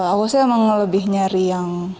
aku sih emang lebih nyari yang